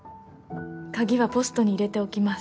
「鍵はポストに入れておきます」